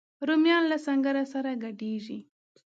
رومیان له سنګره سره ګډیږي